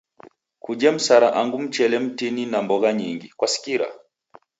Kuje msara angu mchele mtini na mbogha nyingi, kwasikira?